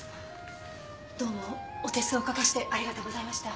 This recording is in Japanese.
どうもお手数をおかけしてありがとうございました。